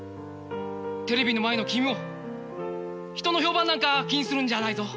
テレビの前の君も人の評判なんか気にするんじゃないぞ。